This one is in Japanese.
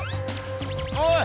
おい！